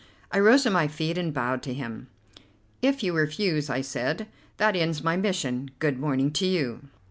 I rose to my feet and bowed to him. "If you refuse," I said, "that ends my mission. Good morning to you."